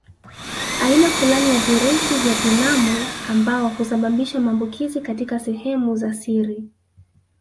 Aina fulani ya virusi vya pinamu ambao husababisha maambukizi katika sehemu za siri